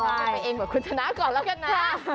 ลองกันไปเองกว่าคุณชนะก่อนละกันนะ